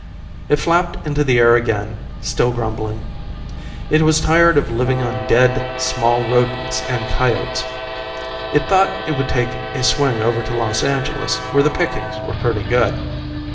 It flapped into the air again, still grumbling. It was tired of living on dead small rodents and coyotes. It thought it would take a swing over to Los Angeles, where the pickings were pretty good.